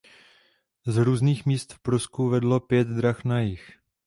Z různých míst v Prusku vedlo pět drah na jih.